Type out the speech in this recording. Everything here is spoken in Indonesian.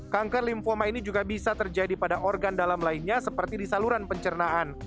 kanker lymphoma ini juga bisa terjadi pada organ dalam lainnya seperti di saluran pencernaan